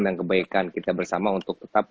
dan kebaikan kita bersama untuk tetap